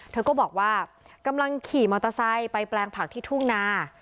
เธอก็บอกว่ากำลังขี่มอเตอร์ไซค์ไปแปลงผักที่ทุ่งนา